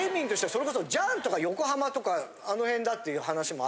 それこそ「じゃん」とか横浜とかあの辺だっていう話もある。